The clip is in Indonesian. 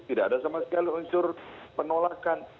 tidak ada sama sekali unsur penolakan